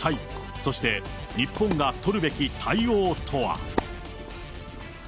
そして、日本が取るべき対応とは。